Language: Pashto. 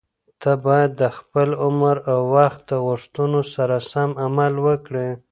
ته باید د خپل عمر او وخت د غوښتنو سره سم عمل وکړې.